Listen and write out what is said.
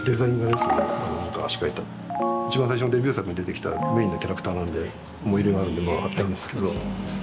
いちばん最初のデビュー作に出てきたメインのキャラクターなんで思い入れがあるので貼ってあるんですけど。